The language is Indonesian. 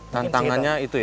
tantangannya itu ya